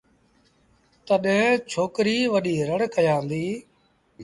تڏهيݩ ڇوڪريٚ وڏيٚ رڙ ڪيآݩدي